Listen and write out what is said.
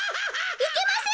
いけません！